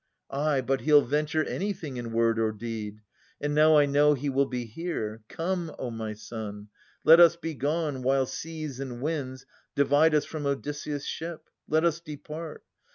Ay, but he'll venture anything in word' Or deed. And now I know he will be here. Come, O my son, let us be gone, while seas And winds divide us from Odysseus' ship. Let us depart.